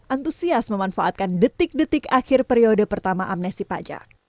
antusias memanfaatkan detik detik akhir periode pertama amnesti pajak